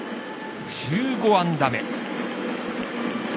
１５安打目。